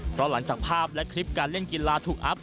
เพราะหลังจากภาพและคลิปการเล่นกีฬาถูกอัพ